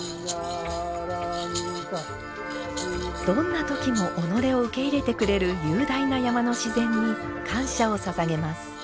どんな時も己を受け入れてくれる雄大な山の自然に感謝をささげます。